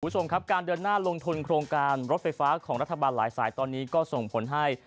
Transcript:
คุณผู้ชมครับการเดินหน้าลงทุนโครงการรถไฟฟ้าของรัฐบาลหลายสายตอนนี้ก็ส่งผลให้